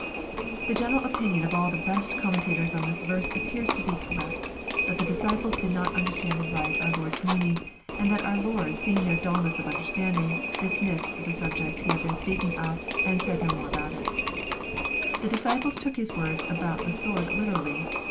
] The general opinion of all the best commentators on this verse appears to be correct, that the disciples did not understand aright our Lord's meaning, and that our Lord seeing their dullness of understanding, dismissed the sub ject He had been speaking of, and said no more about it The disciples took His words about the sword literally.